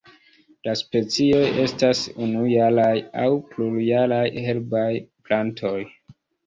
La specioj estas unujaraj aŭ plurjaraj herbaj plantoj.